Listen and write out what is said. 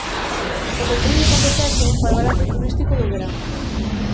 O concello de Ponteceso fai balance turístico do verán.